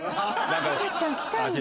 たかちゃん来たんだ。